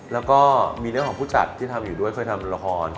แล้วก็มีเรื่องของผู้จัดที่ทำอยู่ด้วยเคยทำละคร